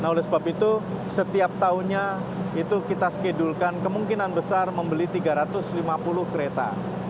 nah oleh sebab itu setiap tahunnya itu kita skedulkan kemungkinan besar membeli tiga ratus lima puluh kereta